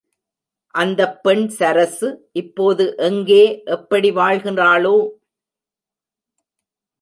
அந்தப் பெண் சரசு இப்போது எங்கே எப்படி வாழ்கிறாளோ?